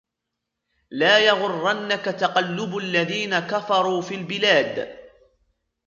لا يغرنك تقلب الذين كفروا في البلاد